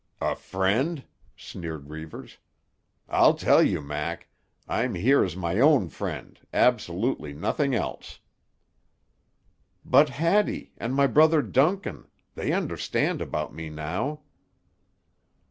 "A friend?" sneered Reivers. "I'll tell you, Mac: I'm here as my own friend, absolutely nothing else." "But Hattie—and my brother Duncan—they understand about me now."